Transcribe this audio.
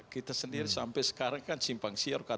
kita sendiri sampai sekarang kan simpang siur